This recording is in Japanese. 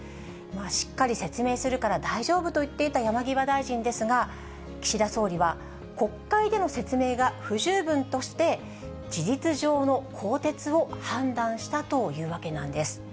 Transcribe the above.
しっかり説明するから大丈夫と言っていた山際大臣ですが、岸田総理は、国会での説明が不十分として事実上の更迭を判断したというわけなんです。